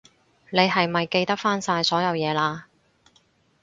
你係咪記得返晒所有嘢喇？